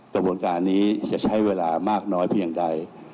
กระบวนการนี้จะใช้เวลามากน้อยเพียงใด